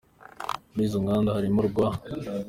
Muri izo nganda harimo urwa .